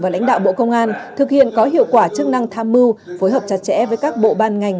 và lãnh đạo bộ công an thực hiện có hiệu quả chức năng tham mưu phối hợp chặt chẽ với các bộ ban ngành